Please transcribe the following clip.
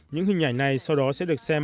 những hình ảnh này sau đó sẽ được xem